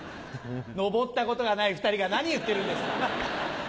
登ったことがない２人が何言ってるんですか。